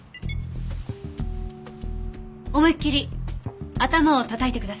思いっきり頭を叩いてください。